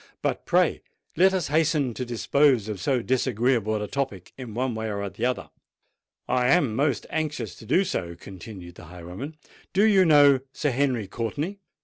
"But pray let us hasten to dispose of so disagreeable a topic in one way or the other." "I am most anxious to do so," continued the highwayman. "Do you know Sir Henry Courtenay?"